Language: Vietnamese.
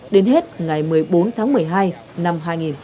đến hết ngày một mươi bốn tháng một mươi hai năm hai nghìn hai mươi